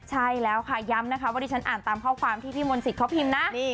ใช่แล้วค่ะย้ำนะคะว่าดิฉันอ่านตามข้อความที่พี่มนต์สิทธิเขาพิมพ์นะ